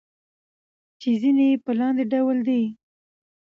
چې ځينې يې په لاندې ډول دي: